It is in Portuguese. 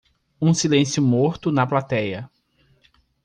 um silêncio morto na platéia